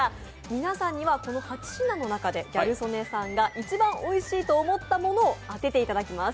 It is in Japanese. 皆さんにはこの８品の中でギャル曽根さんが一番、おいしいと思ったものを当てていただきます。